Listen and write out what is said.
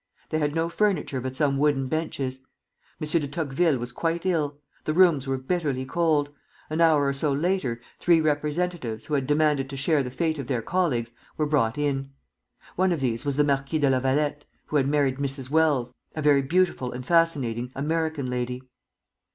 They had no furniture but some wooden benches. M. de Tocqueville was quite ill. The rooms were bitterly cold. An hour or so later, three representatives, who had demanded to share the fate of their colleagues, were brought in. One of these was the Marquis de La Vallette, who had married Mrs. Welles, a very beautiful and fascinating American lady.